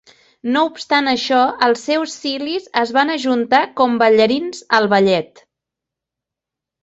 No obstant això, els seus cilis es van ajuntar com ballarins al ballet.